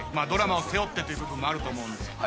ドラマを背負ってという部分もあると思うんです。